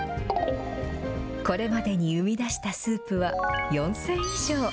これまでに生み出したスープは４０００以上。